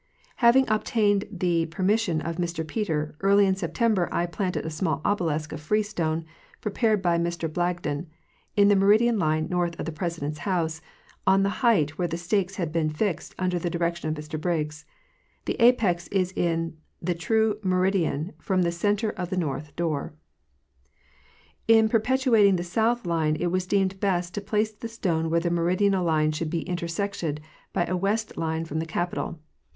Having obtained the permission of Mr Peter, early in September I planted a small obelisk of freestone, prepared by Mr Blagden, in the meridian line north of the President's house, on the height where the stakes had been fixed under the direction of Mr Briggs. The apex is in the true meridian from the center of the north door. In perpetuating the south line it was deemed best to place the stone where the meridian line should be intersected by a west line from the Capitol.